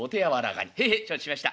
「へいへい承知しました。